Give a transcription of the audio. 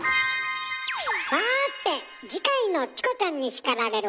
さて次回の「チコちゃんに叱られる！」